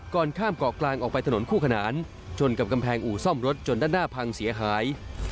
ก่อนข้ามเกาะกลางออกไปถนนคู่ขนานชนกับกำแพงอู่ซ่อมรถจนด้านหน้าพังเสียหาย